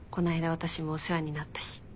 私もお世話になったし。